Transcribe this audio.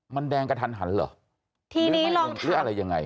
มันแดงกระทันหันเหรอทีนี้เหรอหรืออะไรยังไง